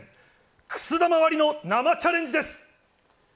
くす玉割りの生チャレンジです。